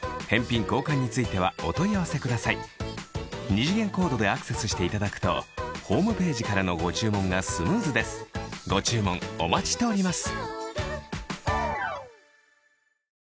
二次元コードでアクセスしていただくとホームページからのご注文がスムーズですご注文お待ちしております